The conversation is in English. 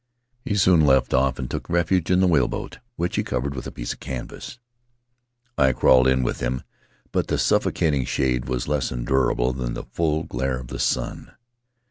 He soon left off and took refuge in the whaleboat, which he covered with a piece of canvas. I crawled in with him, but the suffocating shade was less endurable than the full glare of the sun.